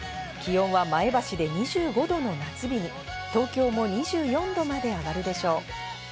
気温は前橋で２５度の夏日に、東京も２４度まで上がるでしょう。